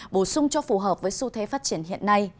bổ sung cho phù hợp với xu thế phát triển